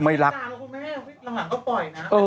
หลังหลังก็ปล่อยนะ